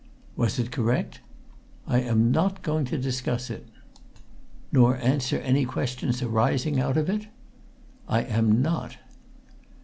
"Was it correct?" "I am not going to discuss it!" "Nor answer any questions arising out of it?" "I am not!"